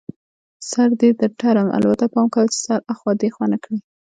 سر دې در تړم، البته پام کوه چي سر اخوا دیخوا نه کړې.